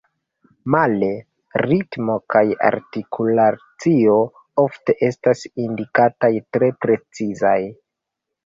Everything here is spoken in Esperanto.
Male ritmo kaj artikulacio ofte estas indikataj tre precizaj.